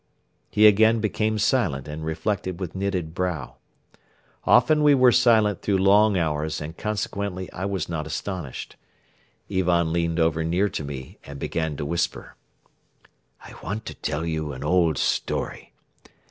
He again became silent and reflected with knitted brow. Often we were silent through long hours and consequently I was not astonished. Ivan leaned over near to me and began to whisper. "I want to tell you an old story.